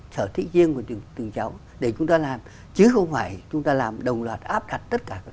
sở thị riêng của từng cháu để chúng ta làm chứ không phải chúng ta làm đồng loạt áp đặt tất cả các